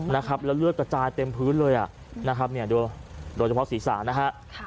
และเลือดกระจายเต็มพื้นเลยโดยเฉพาะศีรษะนะครับ